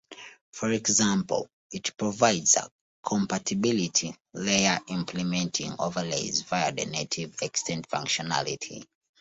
For example, it provides a compatibility-layer implementing overlays via the native extent functionality.